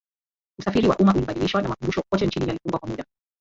Usafiri wa umma ulibadilishwa na makumbusho kote nchini yalifungwa kwa muda